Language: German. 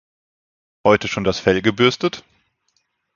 Heute schon das Fell gebürstet?